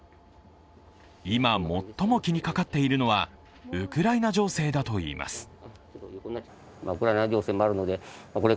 今最も気にかかっているのはウクライナ情勢だといいます。